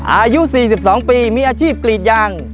อายุสี่สิบสองปีมีอาชีพกรีดยาง